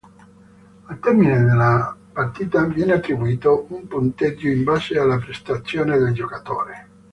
Al termine della partita viene attribuito un punteggio in base alla prestazione del giocatore.